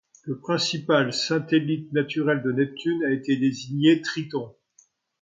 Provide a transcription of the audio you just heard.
Le principal satellite naturel de Neptune a été désigné Triton.